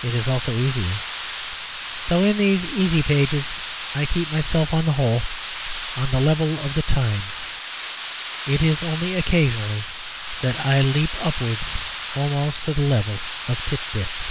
It is also easier. So in these easy pages I keep myself on the whole on the level of the Times: it is only occasionally that I leap upwards almost to the level of _Tit Bits.